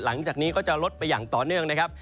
หลังจากนี้ก็จะลดไปอย่างต่อเนื่องนะครับ